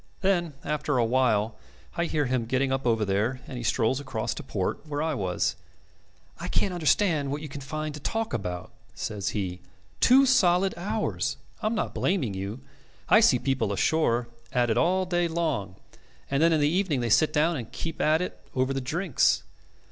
Then after a while I hear him getting up over there, and he strolls across to port, where I was. 'I can't understand what you can find to talk about,' says he. 'Two solid hours. I am not blaming you. I see people ashore at it all day long, and then in the evening they sit down and keep at it over the drinks.